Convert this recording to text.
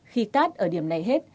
khi cát ở điểm này hết